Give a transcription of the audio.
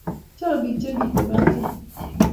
Chang pik che miten maasai